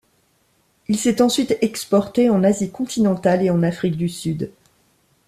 Il s'est ensuite exporté en Asie continentale et en Afrique du Sud.